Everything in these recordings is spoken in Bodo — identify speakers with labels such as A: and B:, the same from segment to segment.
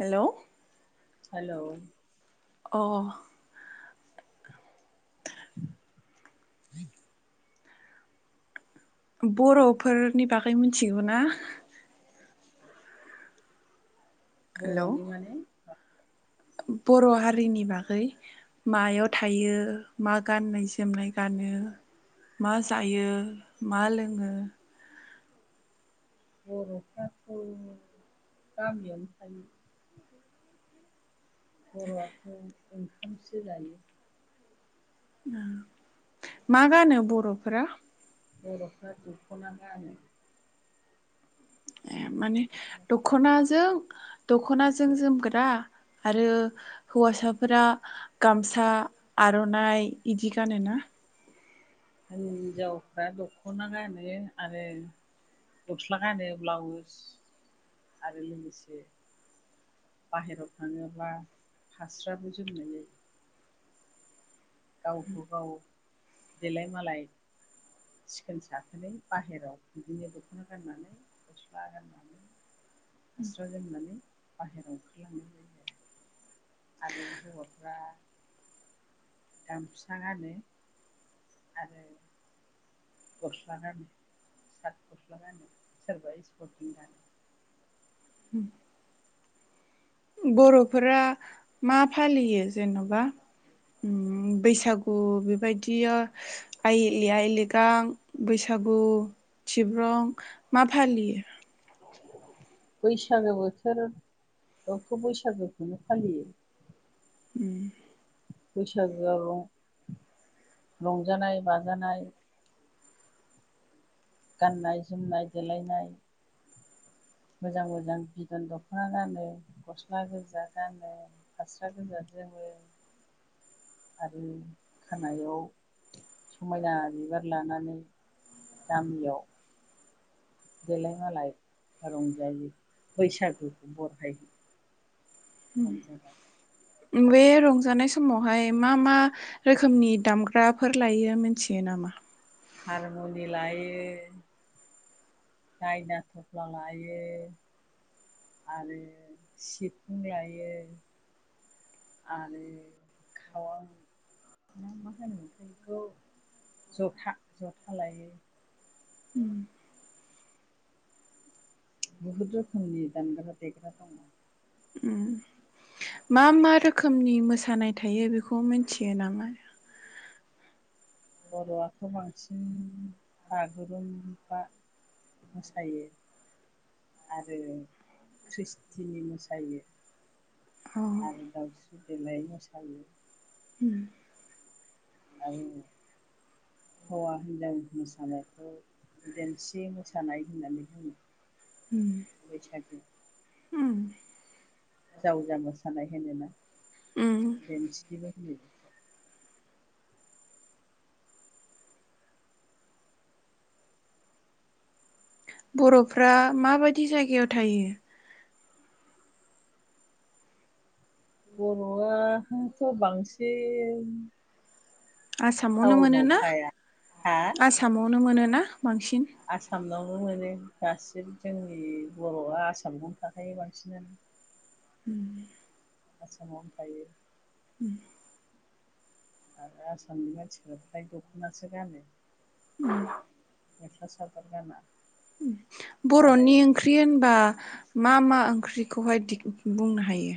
A: हेलौ
B: हेलौ
A: अ [inaudible] बर'फोरनि बागै मिनथिगौ ना हेलौ
B: बर'नि माने
A: बर' हारिनि बागै मायाव थायो मा गाननाय जोमनाय गानो मा जायो मा लोङो?
B: बर'फ्राथ' गामियावनो थायो। बर'आथ' ओंखामसो जायो
A: आ मा गानो बर'फोरा
B: बर'फ्रा दख'ना गानो
A: ए माने
B: बर'फ्रा दख'ना गानो
A: दख'नाजों दखना जों जोमग्रा आरो हौवासाफोरा गामसा आर'नाइ इदि गानोना
B: होनजावफ्रा दख'ना गानो आरो गस्ला गानो ब्लाउस आरो लोगोसे बाहेराव थाङोब्ला फास्राबो जोमनाय जायो गावखौ गाव देलाय मालाय सिखोन साखोनै बाहेरायाव बिदिनो दख'ना गाननानै गस्ला गाननानै फास्रा जोमनानै बाहेरायाव ओंखारलांनाय जायो आरो हौवाफ्रा गामसा गानो आरो गस्ला गानो सात गस्ला गानो सोरबा इस्पटिं गानो
A: बर'फोरा मा फालियो जेन'बा उम बैसागु बेबायदियाव आइ आइ लिगां बैसागु तिब्रं मा फालियो
B: [inaudible] बैसागो बोथोर जोंथ' बैसागोखौनो फालियो
A: उम
B: बैसागोआव रं रंजानाय बाजानाय गाननाय जोमनाय देलायनाय मोजां मोजां बिदन दख'ना गानो गस्ला गोजा गानो फास्रा गोजा जोमङो आरो खानायाव समायना बिबार लानानै गामियाव देलाय मालाय रंजायो बैसागुखौ बरायो रंजा बाजा
A: बे रंजानाय समावहाय मा मा रोखोमनि दामग्राफोर लायो मिनथियो नामा
B: हारमुनि लायो दायना थफ्ला लायो आरो सिफुं लायो आरो खावां ना मा होनोमथाय बेखौ जथा जथा लायो बुहुद रोखोमनि दानग्रा देग्रा दङ
A: उम मा मा रोखोमनि मोसानाय थायो बेखौ मिनथियो नामा
B: बर'आथ' बांसिन बागुरुम्बा मोसायो आरो ख्रिस्टिनि मोसायो
A: अ उम
B: आरो दाउस्रि देलाइ मोसायो आरो हौवा हिनजाव मोसानायखौ देमसि मोसानाय होननानै बुङो
A: उम
B: बैसागु
A: उम
B: जावजा मोसानाय होनोना
A: उम
B: देमसिबो होनो बेखौ
A: बर'फ्रा माबायदि जायगायाव थायो
B: बर'आथ' बांसिन
A: आसामावनो
B: टाउनाव
A: मोनोना
B: थाया
A: आसामाव नुनो मोनो ना
B: आसाम नावनो मोनो दासिम जोंनि बर'आ आसाम आवनो थाखायो बांसिनानो
A: उम
B: आसामावनो थायो आरो आसामनि मानसिफ्रा फ्राय दख'नासो गानो मेख्ला सादर गाना आरो
A: बर'नि ओंख्रि होनबा मा मा ओंख्रिखौहाय बुंनो हायो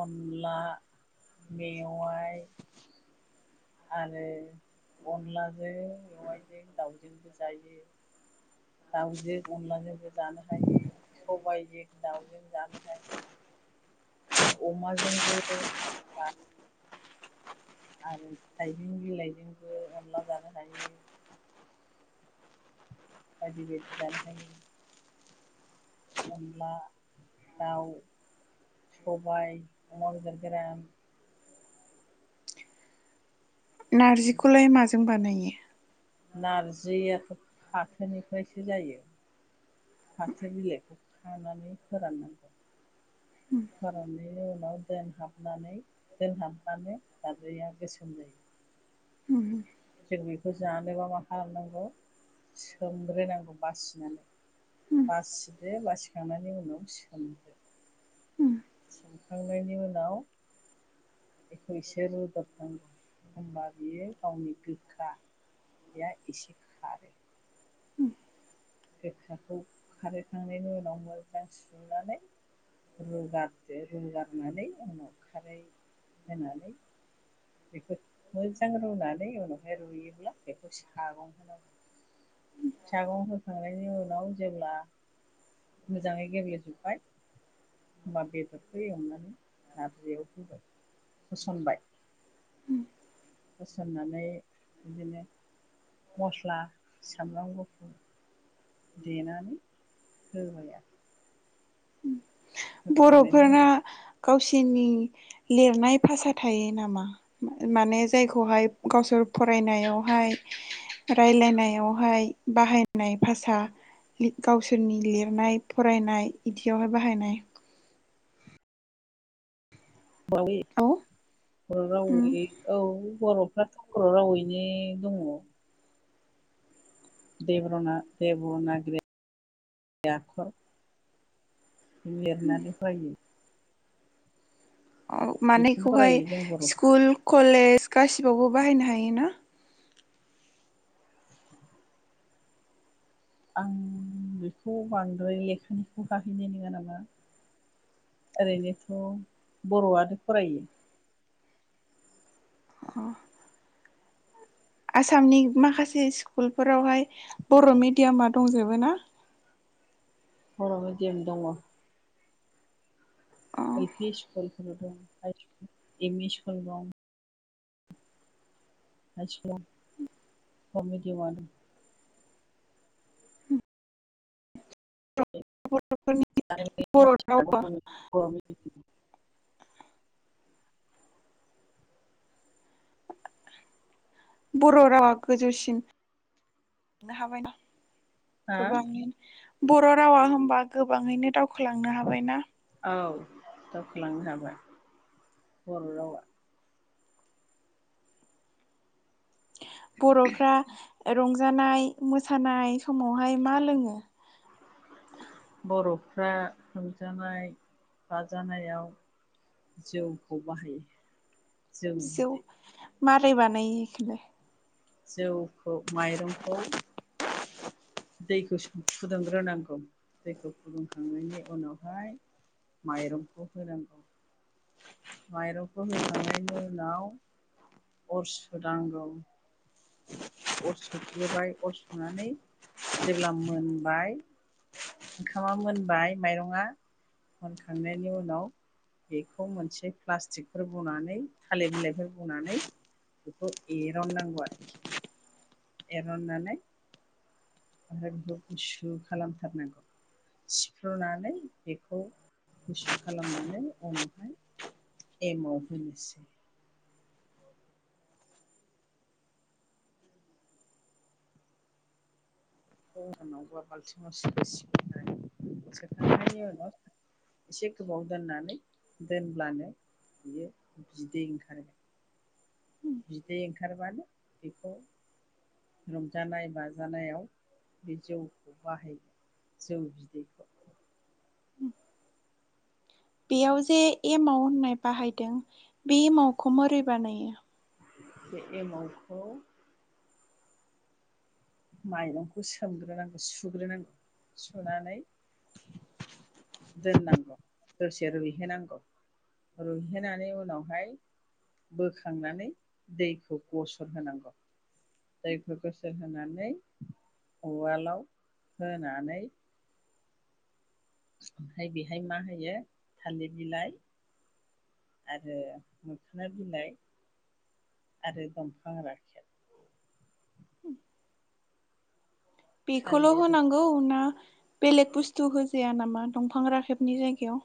B: अनला मेवाय आरो अनलाजों मेवाइजों दाउजोंबो जायो दाउजों अनलाजोंबो जानो हायो सबायजों दाउजों जानो हायो आरो अमाजोंबो आरो हाइजें बिलाइजोंबो अनला जानो हायो बायदि बायदि जानो हायो अनला दाउ सबाय अमा बेदर गोरान बिदिनो
A: नारजिखौलाय माजों बानायो [inaudible]
B: नारजियाथ' फाथोनिफ्रायसो जायो फाथो बिलाइखौ खानानै फोराननांगौ फोराननायनि उनाव दोनहाबनानै दोनहाबबानो नारजिया गोसोम जायो जों बेखौ जानोबा मा खालामनांगौ सोमग्रोनांगौ बासिनानै बासिदो बासिखांनायनि उनाव सोमदो सोमखांनायनि उनाव बेखौ एसे रुदबनांगौ एखमबा बियो गावनि गोखाया एसे खारो गोखाखौ खारोखांनायनि उनाव मोजां सुनानै रुगारदो रुगारनानै उनाव खारै होनानै बेखौ मोजां रुनानै उनावहाय रुयोब्ला बेखौ सागं होनांगौ सागं होखांनायनि उनाव जेब्ला मोजाङै गेब्लेजोब्बाय होनबा बेदरखौ एवनानै नारजियाव होबाय होसनबाय होसननानै बिदिनो मस्ला सामब्राम गुफुर देनानै होबाय आरो होखांनायनि
A: बर'फोरना गावसिनि लिरनाय भाषा थायो नामा? माने जायखौहाय गावसोर फरायनायावहाय रायलायनायावहाय बाहायनाय भाषा गावसोरनि लिरनाय फरायनाय बिदियावहाय बाहायनाय। औ
B: [unintelligible] रावै औ बर'फ्राथ बर' रावैनो दङ। देब्र'ना देब'नागिरि आखर। लिरनानै फरायो बेखौनो
A: मानैखौहाय
B: फरायो जों बर'
A: स्कुल कलेज गासिबावबो बाहायनो हायो ना?
B: आं बेखौ बांद्राय लेखानिखौ हाहैनाय नङा नामा ओरैनोथ' बर'आनो फरायो।
A: अ आसामनि माखासे स्कुलफोरावहाय बर' मिडियामा दंजोबो ना?
B: बर' मेडियाम दङ।
A: अ
B: L P school M E school दं। मानसिफोरा बर' मेडियामाव
A: बर'फोरनि बर' रावा
B: [unintelligible]
A: बर' रावा गोजौसिन हाबायना
B: हा
A: गोबां बर' रावा होनबा गोबाङैनो दावखोलांनो हाबायना?
B: औ दावखोलांनो हाबाय बर' रावा।
A: बर'फ्रा रंजानाय मोसानाय समावहाय मा लोङो?
B: बर'फ्रा रंजानाय बाजानायाव जौखौ बाहायो।
A: जौ मारै बानायो इखोलाय?
B: जौखौ माइरंखौ दैखौ फुदुंग्रोनांगौ दैखौ फुदुंखांनायनि उनावहाय माइरंखौ होनांगौ माइरंखौ होखांनायनि उनाव अर सुनांगौ अरसुग्रोबाय अरसुनानै जेब्ला मोनबाय ओंखामा मोनबाय माइरंआ मोनखांनायनि उनाव बेखौ मोनसे प्लास्टिकफोर बनानै थालिर बिलाइफोर बनानै बेखौ एरननांगौ आरोखि। एरननानै ओमफ्राय बेखौ गुसु खालामथारनांगौ सिफ्रुनानै बेखौ गुसु खालामनानै उनावहाय एमाव होनोसै। होननावबा बाल्थिङाव सोसि आरो सोखांनायनि उनाव एसे गोबाव दोननानै दोनब्लानो बियो बिदै ओंखारगोन। बिदै ओंखारबानो बेखौ रंजानाय बाजानायाव बे जौखौ बाहायो जौ बिदैखौ।
A: बेयाव जे एमाव होननाय बाहायदों बे एमावखौ मोरै बानायो।
B: बे एमावथ माइरंखौ सोमग्रोनांगौ सुग्रोनांगौ सुनानै दोननांगौ दसे रुइहोनांगौ रुइहोनानै उनावहाय बोखांनानै दैखौ गसर होनांगौ दैखौ गसर होनानै उवालाव होनानै ओमफ्राय बेहाय मा होयो थालिर बिलाइ आरो मोखोना बिलाइ आरो दंफां राखेब।
A: बेखौल
B: थालिर
A: होनांगौ ना बेलेग बुस्थु होजाया नामा? दंफां राखेबनि जायगायाव?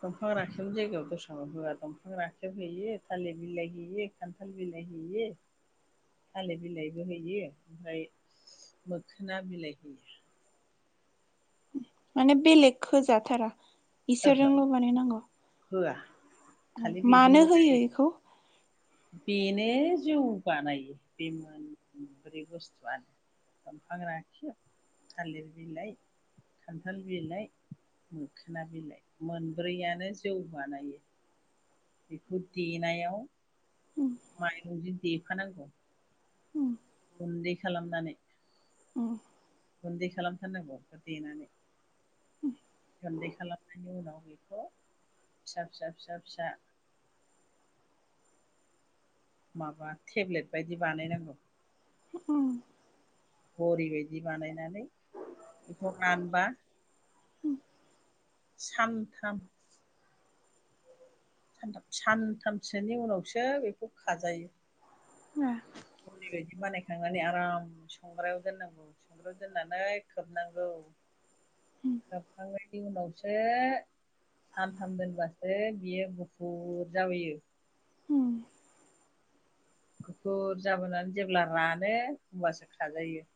B: दंफां राखेबनि जायगायाव दस्रा होया दंफां राखेब होयो थालिर बिलाइ होयो खान्थाल बिलाइ हैयो थालिर बिलाइबो होयो ओमफ्राय मोखोना बिलाइ होयो।
A: माने बेलेग होजाथारा? इसोरजोंल बानाय नांगौ?
B: होया।
A: मानो होयो इखौ?
B: बेनो जौ बानायो। बे मोनब्रै बुस्थुयानो दंफां राखेब थालिर बिलाइ खान्थाल बिलाइ मोखोना बिलाइ मोनब्रैयानो जौ बानायो। बेखौ देनायाव माइरंजों देफानांगौ। गुन्दै खालामनानै
A: उम
B: गुन्दै खालामथारनांगौ देनानै। गुन्दै खालामनायनि उनाव बेखौ फिसा फिसा फिसा फिसा माबा टेब्लेट बायदि बानायनांगौ।
A: उम
B: बरि बायदि बानायनानै बेखौ मानबा सानथाम सानथामसोनि उनावसो बेखौ खाजायो। बायदि बानायखांनानै आराम संग्रायाव दोननांगौ संग्रायाव दोननानै खोबनांगौ खोबखांनायनि उनावसो सानथाम दोनबासो बियो गुफुर जाबोयो। गुफुर जाबोनानै जेब्ला रानो होमब्लासो खाजायो।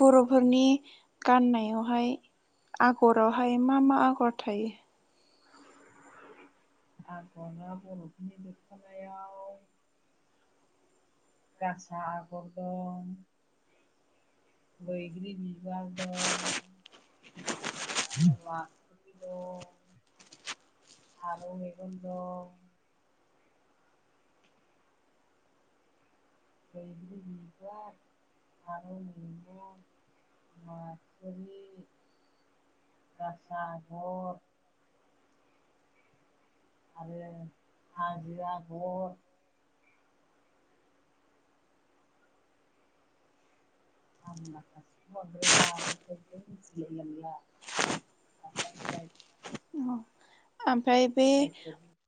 A: बर'फोरनि गाननायावहाय आगरावहाय मा मा आगर थायो।
B: आगरा बर'फोरनि दरखनायाव गासा आगर दं बैग्रि बिबार दं आरो ला दं फारौ मेगन दं बैग्रि बिबार फारौ मेगन माथुरि गासा आगर आरो हाजो आगर [unintelligible]
A: अ आ ओमफाय बे
B: जायखिजाया